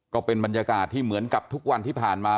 ก็เป็นบรรยากาศที่เหมือนกับทุกวันที่ผ่านมา